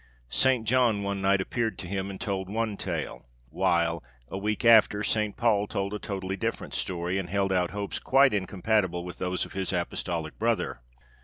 St. John one night appeared to him, and told one tale; while, a week after, St. Paul told a totally different story, and held out hopes quite incompatible with those of his apostolic brother.